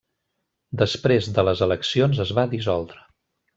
Després de les eleccions es va dissoldre.